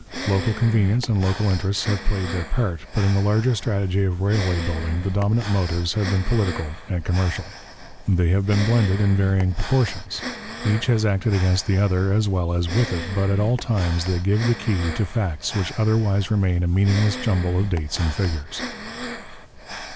Local convenience and local interests have played their part, but in the larger strategy of railway building the dominant motives have been political and commercial. They have been blended in varying proportions; each has acted against the other as well as with it, but at all times they give the key to facts which otherwise remain a meaningless jumble of dates and figures.